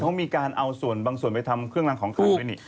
เขามีการเอาบางส่วนไปทำเครื่องรางของขังด้วย